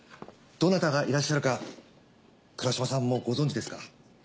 どなたがいらっしゃるか倉嶋さんはもうご存じですか？